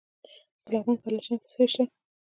د لغمان په علیشنګ کې څه شی شته؟